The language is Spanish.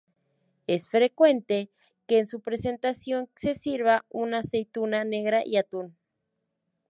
Es frecuente que en su presentación se sirva con aceituna negras y atún.